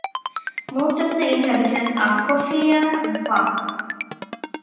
Most of the inhabitants are coffea farmers.